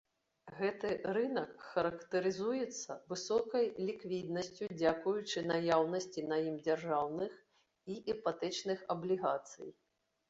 Гэты рынак характарызуецца высокай ліквіднасцю дзякуючы наяўнасці на ім дзяржаўных і іпатэчных аблігацый.